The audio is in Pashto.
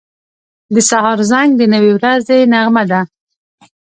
• د سهار زنګ د نوې ورځې نغمه ده.